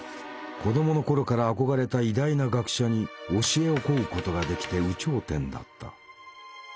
子どもの頃から憧れた偉大な学者に教えを請うことができて有頂天だった。